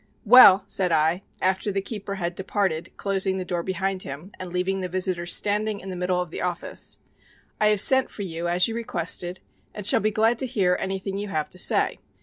"Well," said I, after the keeper had departed closing the door behind him and leaving the visitor standing in the middle of the office, "I have sent for you as you requested and shall be glad to hear anything you have to say.